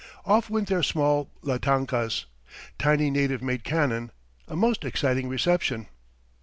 off went their small lantankas, tiny native made cannon a most exciting reception!